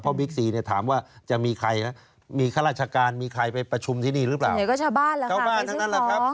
เพราะบริกซีถามว่าจะมีใครน้ำหลักมีข้าราชการมีใครไปประชุมที่นี่รึเปล่า